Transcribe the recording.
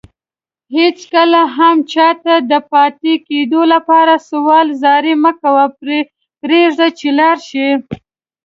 هيڅ کله هم چاته دپاتي کيدو لپاره سوال زاری مکوه پريږده چي لاړشي